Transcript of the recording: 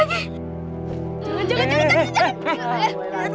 jangan jangan jangan jangan jangan